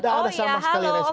tidak ada sama sekali resiko